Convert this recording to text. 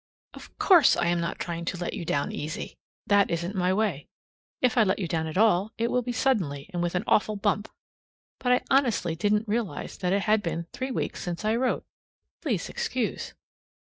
Of course I am not trying to let you down easy; that isn't my way. If I let you down at all, it will be suddenly and with an awful bump. But I honestly didn't realize that it had been three weeks since I wrote. Please excuse!